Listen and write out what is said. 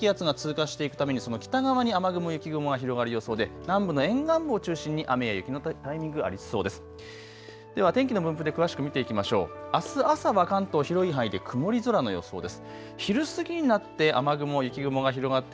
八丈島付近を低気圧が通過していくためにその北側に雨雲、雪雲が広がる予想で南部の沿岸部を中心に雨や雪のタイミング、ありそうです。